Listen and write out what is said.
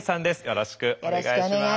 よろしくお願いします。